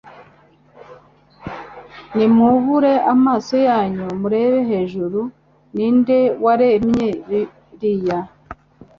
Nimwubure amaso yanyu murebe hejuru. Ni nde waremye biriya,